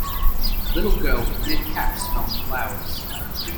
Little girl with knit cap, smelling flowers.